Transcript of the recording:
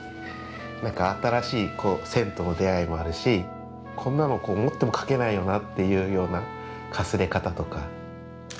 何か新しい線との出会いもあるしこんなの思っても描けないよなっていうようなかすれ方とか。